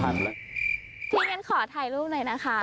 พี่งั้นขอถ่ายรูปหน่อยนะคะ